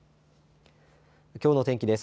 きょうの天気です。